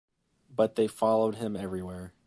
But they followed him everywhere.